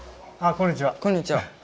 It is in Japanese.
こんにちは。